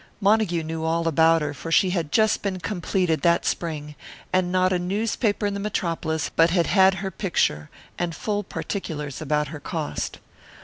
Montague knew all about her, for she had just been completed that spring, and not a newspaper in the Metropolis but had had her picture, and full particulars about her cost.